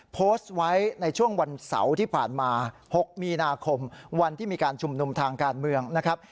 โพสต์ไว้ในช่วงวันเสาร์ที่ผ่านมา๖มีนาคมวันที่มีการชุมนุมทางการเมืองนะครับ